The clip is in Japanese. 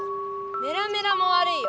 メラメラもわるいよ。